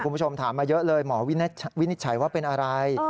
คุณผู้ชมถามมาเยอะเลยหมอวินิจฉัยว่าเป็นอะไร